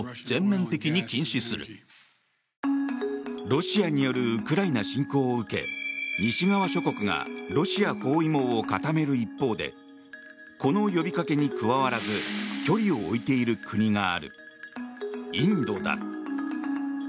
ロシアによるウクライナ侵攻を受け西側諸国がロシア包囲網を固める一方でこの呼びかけに加わらず距離を置いている国があるインドだ。